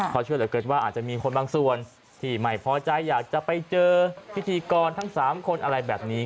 เพราะเชื่อเหลือเกินว่าอาจจะมีคนบางส่วนที่ไม่พอใจอยากจะไปเจอพิธีกรทั้ง๓คนอะไรแบบนี้